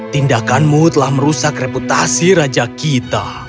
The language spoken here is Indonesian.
tindakanmu telah merusak reputasi raja kita